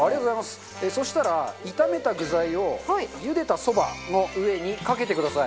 中丸：そしたら、炒めた具材を茹でた蕎麦の上にかけてください。